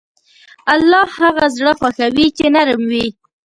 الله هغه زړه خوښوي چې نرم وي.